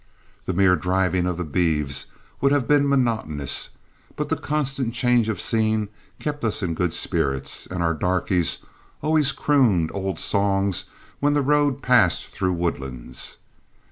The mere driving of the beeves would have been monotonous, but the constant change of scene kept us in good spirits, and our darkies always crooned old songs when the road passed through woodlands.